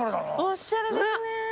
おしゃれですね。